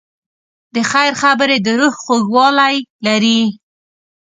د خیر خبرې د روح خوږوالی لري.